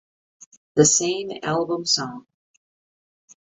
The same album song.